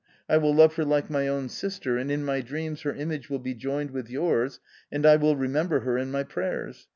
I will love her like my own sister, and in my dreams her image will be joined with yours, and I will remember her in my prayers.